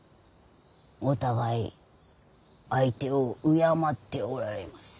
お互い相手を敬っておられます。